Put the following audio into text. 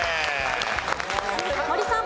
森さん。